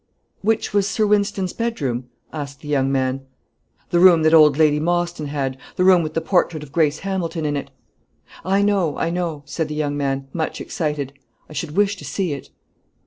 "Which was Sir Wynston's bedroom?" asked the young man. "The room that old Lady Mostyn had the room with the portrait of Grace Hamilton in it." "I know I know," said the young man, much excited. "I should wish to see it."